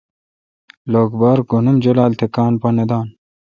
لوک بار گھن ام جولال تہ کان پا نہ دان۔